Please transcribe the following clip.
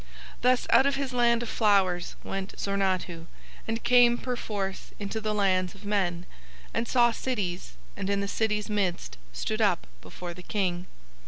Thus out of his land of flowers went Zornadhu and came perforce into the lands of men, and saw cities, and in the city's midst stood up before the King.